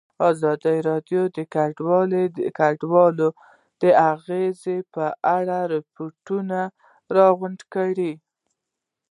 ازادي راډیو د کډوال د اغېزو په اړه ریپوټونه راغونډ کړي.